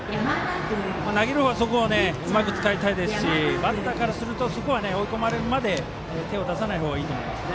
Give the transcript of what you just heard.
投げるほうはそこをうまく使いたいですしバッターからするとそこは追い込まれるまで手を出さない方がいいですね。